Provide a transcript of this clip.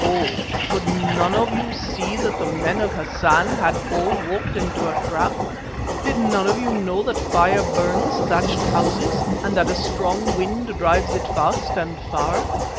"Oh! could none of you see that the men of Hassan had all walked into a trap? Did none of you know that fire burns thatched houses, and that a strong wind drives it fast and far?